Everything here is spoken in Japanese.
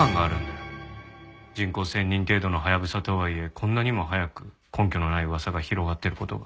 人口１０００人程度のハヤブサとはいえこんなにも早く根拠のない噂が広がってる事が。